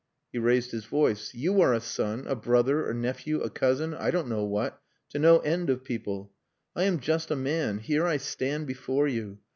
He raised his voice. "You are a son, a brother, a nephew, a cousin I don't know what to no end of people. I am just a man. Here I stand before you.